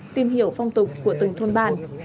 tìm hiểu phong tục của từng thôn bạn